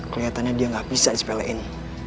keliatannya dia gak bisa dispelein